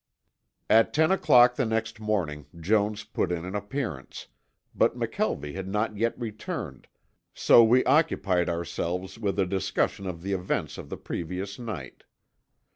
At ten o'clock the next morning Jones put in an appearance, but McKelvie had not yet returned, so we occupied ourselves with a discussion of the events of the previous night.